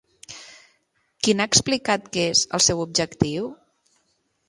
Quin ha explicat que és el seu objectiu?